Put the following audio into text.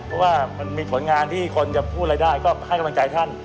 เพราะว่ามันมีผลงานที่คนจะพูดอะไรได้ก็ให้กำลังใจท่าน